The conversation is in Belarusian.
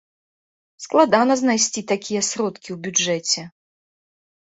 Складана знайсці такія сродкі ў бюджэце.